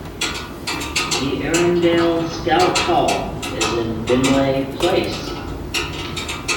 The Erindale Scout Hall is in Finlay Place.